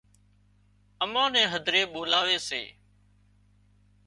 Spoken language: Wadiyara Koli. امان نين هڌرون ٻولاوي سي